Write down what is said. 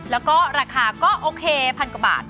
แล้วก็ราคาก็โอเคพันกว่าบาท